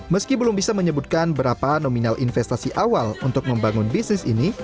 meski belum bisa menyebutkan berapa nominal investasi awal untuk membangun bisnis ini